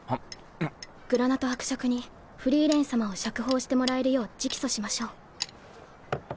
グラナト伯爵にフリーレン様を釈放してもらえるよう直訴しましょう。